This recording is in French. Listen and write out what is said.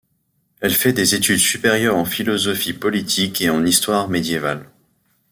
Elle fait des études supérieures en philosophie politique et en histoire médiévale.